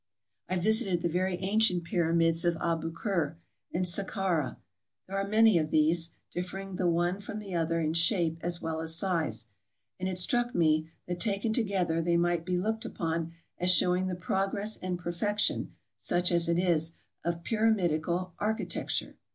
I visited the very ancient Pyramids of Aboukir and Sak kara. There are many of these, differing the one from the other in shape as well as size ; and it struck me that taken to gether they might be looked upon as showing the progress and perfection (such as it is) of pyramidical architecture.